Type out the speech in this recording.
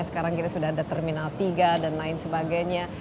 sekarang kita sudah ada terminal tiga dan lain sebagainya